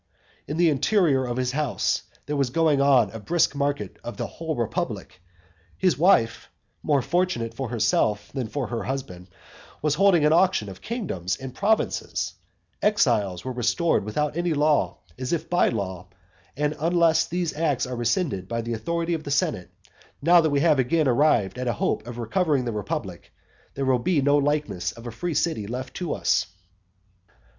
In the interior of his house there was going on a brisk market of the whole republic. His wife, more fortunate for herself than for her husband, was holding an auction of kingdoms and provinces: exiles were restored without any law, as if by law: and unless all these acts are rescinded by the authority of the senate, now that we have again arrived at a hope of recovering the republic, there will be no likeness of a free city left to us.